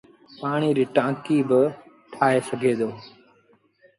پآڻيٚ ريٚ ٽآنڪيٚ با ٺآهي سگھي دو۔